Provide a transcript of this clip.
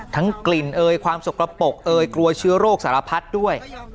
กลิ่นเอยความสกระปกเอยกลัวเชื้อโรคสารพัดด้วย